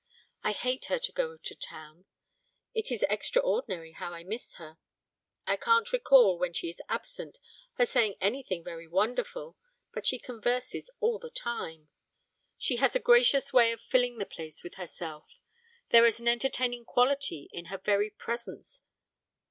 I hate her to go to town; it is extraordinary how I miss her; I can't recall, when she is absent, her saying anything very wonderful, but she converses all the time. She has a gracious way of filling the place with herself, there is an entertaining quality in her very presence.